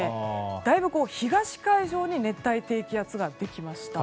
だいぶ東海上に熱帯低気圧が出てきました。